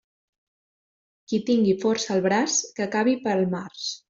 Qui tingui força al braç que cavi pel març.